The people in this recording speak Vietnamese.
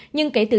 nhưng kể từ đó